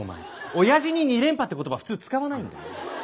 おやじに２連覇って言葉普通使わないんだよ。